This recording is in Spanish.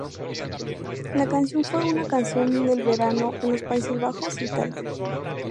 La canción fue una canción del verano en los Países Bajos e Italia.